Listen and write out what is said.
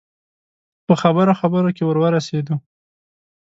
په خبرو خبرو کې ور ورسېدو.